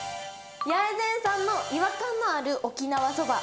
八重善さんの違和感のある沖縄そば